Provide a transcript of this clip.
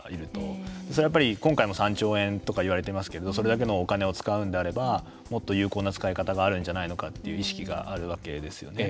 それはやっぱり、今回も３兆円とか言われてますけどそれだけのお金を使うのであればもっと有効な使い方があるんじゃないのかという意識があるわけですよね。